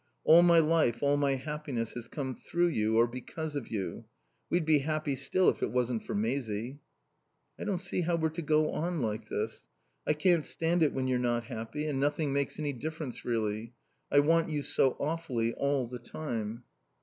All my life all my happiness has come through you or because of you. We'd be happy still if it wasn't for Maisie." "I don't see how we're to go on like this. I can't stand it when you're not happy. And nothing makes any difference, really. I want you so awfully all the time."